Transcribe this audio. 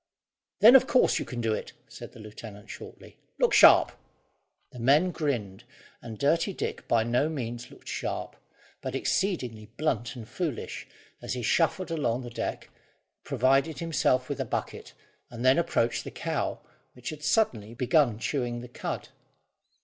"Then, of course, you can do it," said the lieutenant shortly; "look sharp!" The men grinned, and Dirty Dick by no means looked sharp, but exceedingly blunt and foolish as he shuffled along the deck, provided himself with a bucket, and then approached the cow, which had suddenly began chewing the cud.